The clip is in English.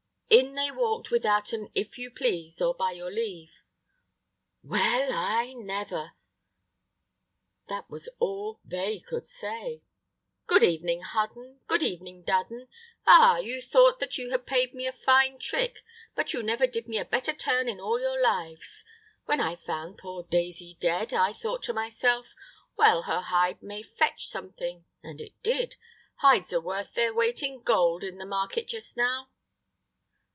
In they walked without an "If you please" or "By your leave." "Well, I never!" that was all they could say. "Good evening, Hudden; good evening, Dudden. Ah! you thought you had played me a fine trick, but you never did me a better turn in all your lives. When I found poor Daisy dead, I thought to myself, 'Well, her hide may fetch something'; and it did. Hides are worth their weight in gold in the market just now."